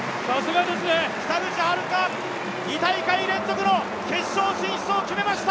北口榛花、２大会連続の決勝進出を決めました。